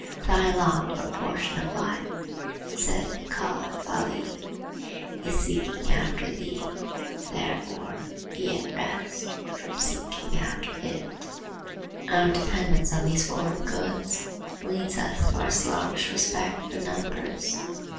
"Thy lot or portion of life," said the Caliph Ali, "is seeking after thee; therefore be at rest from seeking after it." Our dependence on these foreign goods leads us to our slavish respect for numbers.